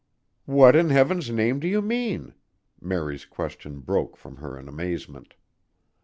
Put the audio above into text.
"What in heaven's name do you mean?" Mary's question broke from her in amazement.